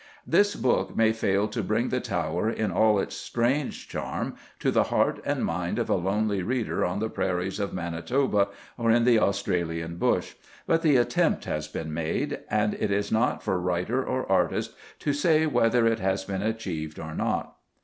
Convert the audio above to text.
This book may fail to bring the Tower in all its strange charm to the heart and mind of a lonely reader on the prairies of Manitoba or in the Australian bush, but the attempt has been made, and it is not for writer or artist to say whether it has been achieved or not.